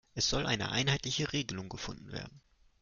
Es soll eine einheitliche Regelung gefunden werden.